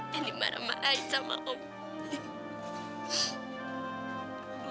yang dimarah marahin sama om